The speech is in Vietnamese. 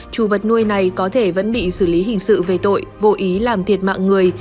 chủ vật nuôi này có thể vẫn bị xử lý hình sự về tội vô ý làm thiệt mạng người